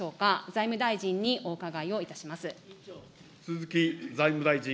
財務大臣にお伺いをいたします。